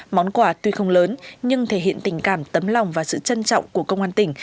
món quà tuy không lớn nhưng thể hiện tình cảm tấm lòng và sự trân trọng của công an tỉnh